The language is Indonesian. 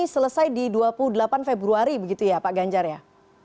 selesai di dua puluh delapan februari begitu ya pak ganjar ya